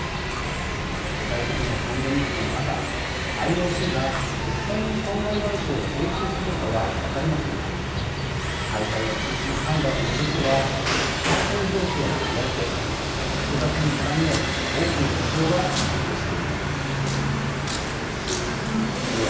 世界的なパンデミックの中ＩＯＣが実際に損害賠償を請求するかは分かりませんが開催や中止の判断をめぐっては感染状況に加えて複雑に絡み合う多くの事情が関係しているのです。